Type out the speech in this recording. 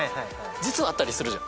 実はあったりするじゃん。